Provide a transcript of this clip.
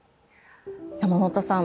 山本さん